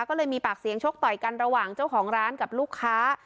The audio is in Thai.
ก็เลยมีปากเสียงชกต่อยกันระหว่างเจ้าของร้านกับลูกค้า